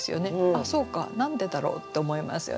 あっそうか何でだろう？と思いますよね。